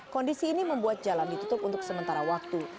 kondisi ini membuat jalan ditutup untuk sementara waktu